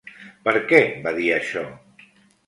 Per què va dir això?